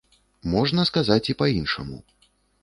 Можна сказаць і па-іншаму.